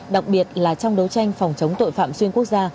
đặc biệt là trong đấu tranh phòng chống tội phạm xuyên quốc gia